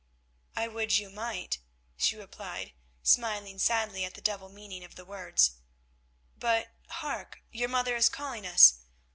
"I would you might," she replied, smiling sadly at the double meaning of the words, "but, hark, your mother is calling us.